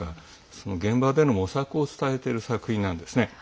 その現場での模索を伝えている作品なんですね。